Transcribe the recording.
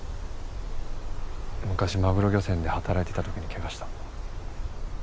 昔マグロ漁船で働いてた時に怪我した。